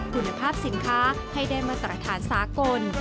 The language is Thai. คุณภาพสินค้าให้ได้มาตรฐานสากล